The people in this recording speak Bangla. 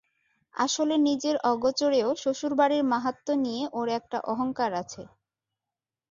আসলে নিজের অগোচরেও শ্বশুরবাড়ির মাহাত্ম্য নিয়ে ওর একটা অহংকার আছে।